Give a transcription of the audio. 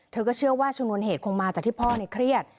เธอก็เชื่อว่าชนวนเหตุคงมาจากที่พ่อเครียด